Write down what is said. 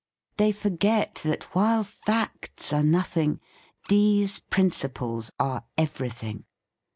They forget that, while facts are nothing, these principles are every thing.